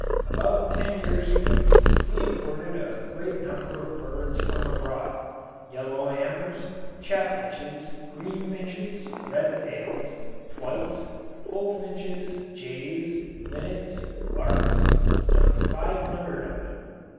About ten years ago we imported a great number of birds from abroad yellow hammers, chaffinches, green finches, red pales, twites, bullfinches, jays, linnets, larks some five hundred of them.